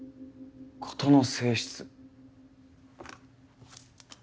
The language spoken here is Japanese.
事の性質。